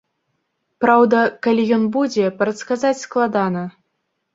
Праўда, калі ён будзе, прадказаць складана.